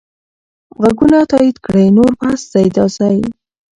ږغونه تایید کړئ نور بس دی دا ځای.